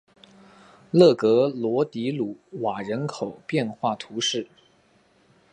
勒格罗迪鲁瓦人口变化图示